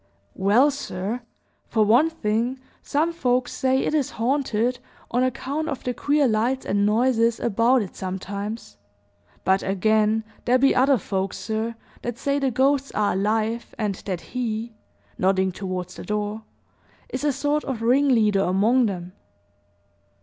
"Well, sir, for one thing, some folks say it is haunted, on account of the queer lights and noises about it, sometimes; but, again, there be other folks, sir, that say the ghosts are alive, and that he" nodding toward the door "is a sort of ringleader among them."